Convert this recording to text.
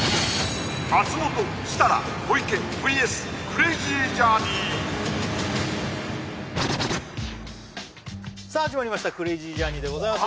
松本設楽小池ＶＳクレイジージャーニーさあ始まりました「クレイジージャーニー」でございます